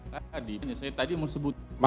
saya tadi saya tadi mau sebutkan